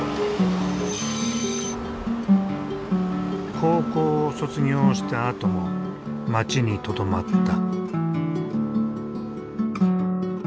高校を卒業したあとも町にとどまった。